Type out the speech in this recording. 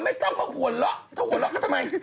เธอไม่ต้องเขาหัวเราะเธอหัวเราะก็ทำไม